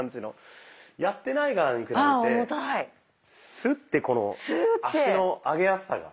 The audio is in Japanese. スッてこの足の上げやすさが。